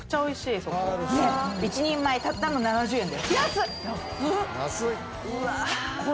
１人前たったの７０円だよ。